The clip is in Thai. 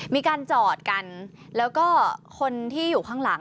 มีการจอดกันแล้วก็คนที่อยู่ข้างหลัง